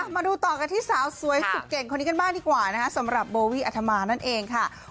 มาดูต่อกันที่สาวสวยสุดเก่งคนนี้กันบ้างดีกว่านะคะสำหรับโบวี่อัธมานั่นเองค่ะ